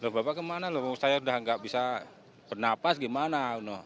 bapak ke mana saya udah gak bisa bernafas gimana